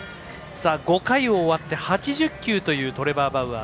５回終わって８０球というトレバー・バウアー。